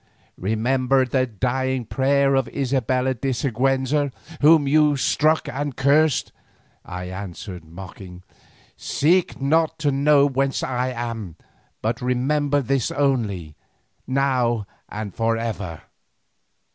"Remember the dying prayer of Isabella de Siguenza, whom you struck and cursed," I answered mocking. "Seek not to know whence I am, but remember this only, now and for ever."